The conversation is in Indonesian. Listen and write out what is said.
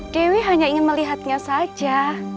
dewi hanya ingin melihatnya saja